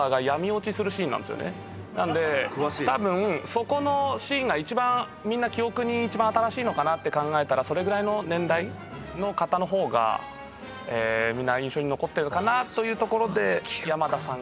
なんでたぶんそこのシーンがみんな記憶に一番新しいのかなって考えたらそれぐらいの年代の方の方がみんな印象に残ってるかなというところで山田さんが。